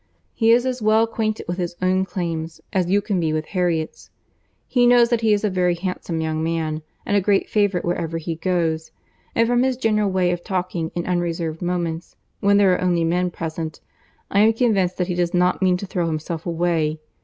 He is as well acquainted with his own claims, as you can be with Harriet's. He knows that he is a very handsome young man, and a great favourite wherever he goes; and from his general way of talking in unreserved moments, when there are only men present, I am convinced that he does not mean to throw himself away.